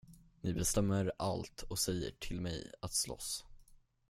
Ni bestämmer allt och säger till mig att slåss.